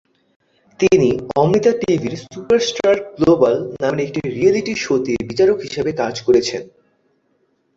তিনি অমৃতা টিভির superstar global নামের একটি রিয়েলিটি শোতে বিচারক হিসেবে কাজ করেছেন।